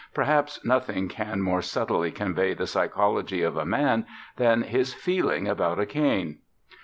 Perhaps nothing can more subtly convey the psychology of a man than his feeling about a cane.